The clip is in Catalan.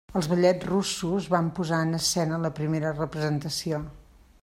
Els Ballets Russos van posar en escena la primera representació.